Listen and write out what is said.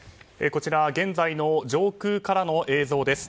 こちら現在の上空からの映像です。